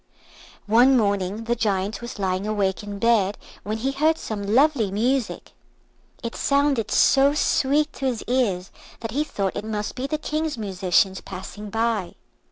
One morning the Giant was lying awake in bed when he heard some lovely music. It sounded so sweet to his ears that he thought it must be the King's musicians passing by.